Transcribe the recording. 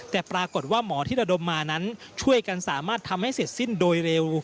แต่ปรากฏว่าหมอที่ระดมมานั้นช่วยกันสามารถทำให้เสร็จสิ้นโดยเร็ว